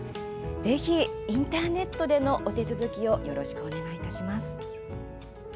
ぜひ、インターネットでのお手続きをよろしくお願いします。